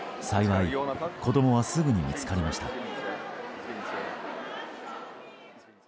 幸い、子供はすぐに見つかりました。